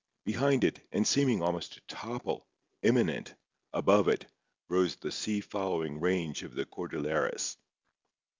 Behind it, and seeming almost to topple, imminent, above it, rose the sea following range of the Cordilleras.